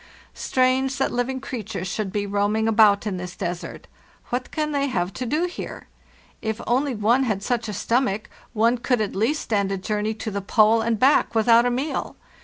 Strange that living creatures should be roaming about in this desert. What can they have to do here? If only one had such a stomach one could at least stand a journey to the Pole and back without a meal.